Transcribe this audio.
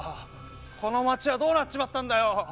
この街はどうなっちまったんだよ！